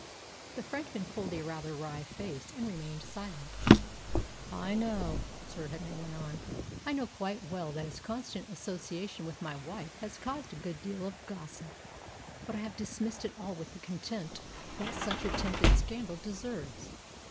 The Frenchman pulled a rather wry face, and remained silent. "I know," Sir Henry went on, "I know quite well that his constant association with my wife has caused a good deal of gossip; but I have dismissed it all with the contempt that such attempted scandal deserves.